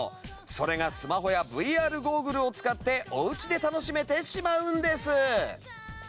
それがスマホやＶＲゴーグルを使っておうちで楽しめてしまうんです。